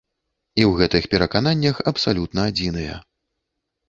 І ў гэтых перакананнях абсалютна адзіныя.